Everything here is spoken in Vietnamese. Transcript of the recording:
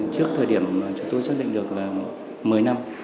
trước thời điểm mà chúng tôi xác định được là một mươi năm